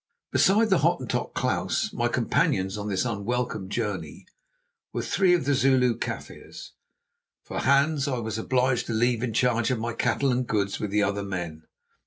Beside the Hottentot Klaus, my companions on this unwelcome journey were three of the Zulu Kaffirs, for Hans I was obliged to leave in charge of my cattle and goods with the other men.